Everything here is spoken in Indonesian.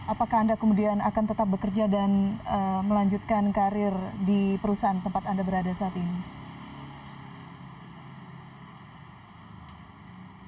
apakah anda kemudian akan tetap bekerja dan melanjutkan karir di perusahaan tempat anda berada saat ini